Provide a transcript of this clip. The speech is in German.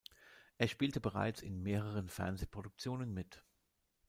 Er spielte bereits in mehreren Fernsehproduktionen mit.